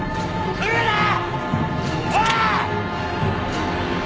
来るなー！